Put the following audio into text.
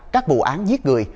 các vụ án giết người